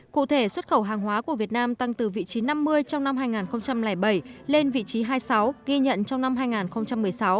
cụ thể xuất khẩu hàng hóa của việt nam tăng từ vị trí năm mươi trong năm hai nghìn bảy lên vị trí hai mươi sáu ghi nhận trong năm hai nghìn một mươi sáu